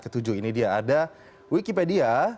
ketujuh ini dia ada wikipedia